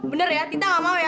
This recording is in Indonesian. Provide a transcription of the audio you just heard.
bener ya tita nggak mau ya